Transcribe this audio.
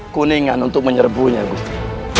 kuningan untuk menyerbunya gusti